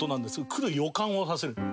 来る予感をさせる。